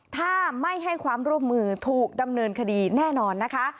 ถ้าไม่ให้ความร่วมมือถูกดำเนินคดีแน่นอนนะคะ